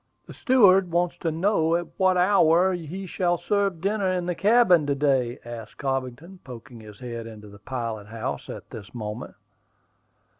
"The steward wants to know at what hour he shall serve dinner in the cabin to day?" asked Cobbington, poking his head into the pilot house at this moment.